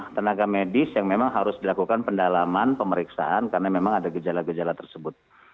tenaga medis yang memang harus dilakukan pendalaman pemeriksaan karena memang ada gejala gejala tersebut